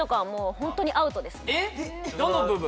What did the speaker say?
どの部分？